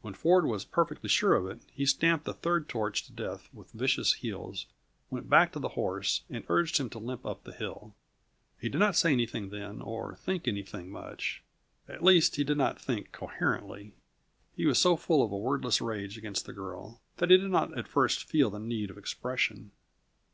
When Ford was perfectly sure of it, he stamped the third torch to death with vicious heels, went back to the horse, and urged him to limp up the hill. He did not say anything then or think anything much; at least, he did not think coherently. He was so full of a wordless rage against the girl, that he did not at first feel the need of expression.